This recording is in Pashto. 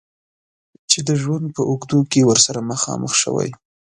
چې د ژوند په اوږدو کې ورسره مخامخ شوی.